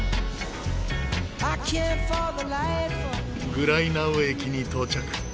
グライナウ駅に到着。